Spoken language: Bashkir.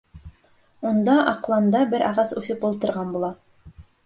Унда аҡланда бер ағас үҫеп ултырған була.